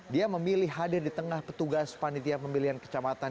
dia memilih hadir di tengah petugas panitia pemilihan kecamatan